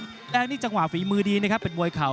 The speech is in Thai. แดงนี่จังหวะฝีมือดีนะครับเป็นมวยเข่า